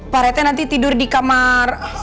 parete nanti tidur di kamar